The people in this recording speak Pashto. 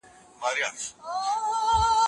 اورنګ زېب